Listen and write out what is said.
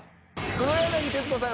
黒柳徹子さん